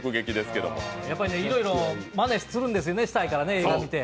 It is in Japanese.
いろいろまねするんですよね、したいからね、映画見て。